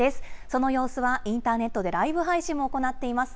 その様子はインターネットでライブ配信も行っています。